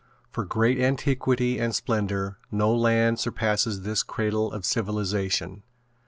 For great antiquity and splendor no land surpasses this cradle of civilization.